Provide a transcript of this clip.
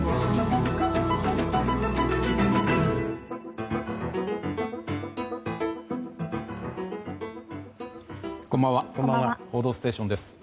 「報道ステーション」です。